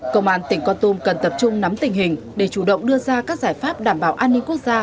công an tỉnh con tum cần tập trung nắm tình hình để chủ động đưa ra các giải pháp đảm bảo an ninh quốc gia